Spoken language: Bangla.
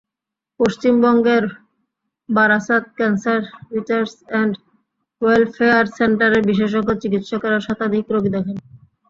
পশ্চিমবঙ্গের Barasat cancer research and welfare সেন্টারের বিশেষজ্ঞ চিকিৎসকেরা শতাধিক রোগী দেখেন।